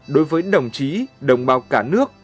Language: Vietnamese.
đối với đồng chí đồng bào cả nước